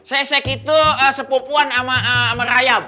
sesek itu sepupuan sama merayap